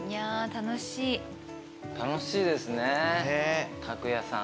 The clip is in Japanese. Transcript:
楽しいですね家具屋さん。